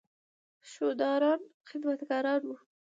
شودران خدمتګاران وو.